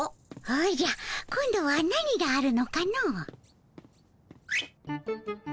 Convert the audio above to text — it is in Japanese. おじゃ今度は何があるのかの？